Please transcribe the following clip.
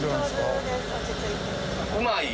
うまい？